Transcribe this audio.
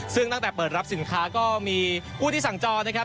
ซึ่งตั้งแต่เปิดรับสินค้าก็มีผู้ที่สั่งจอนะครับ